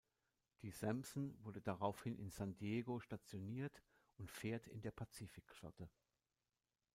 Die "Sampson" wurde daraufhin in San Diego stationiert und fährt in der Pazifikflotte.